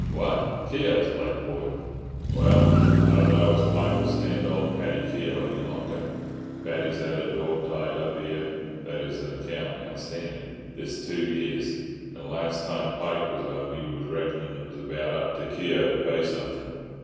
"What, Keogh's black boy! Well, I don't know as Pike'll stand old Paddy Keogh any longer. Paddy's 'ad a dorg tied hup 'ere" (i.e., an account outstanding) "this two years, and last time Pike was 'ome 'e was reck'nin' it was about hup to Keogh to pay something."